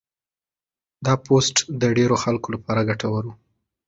دا پوسټ د ډېرو خلکو لپاره ګټور و.